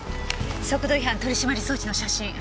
速度違反取締装置の写真。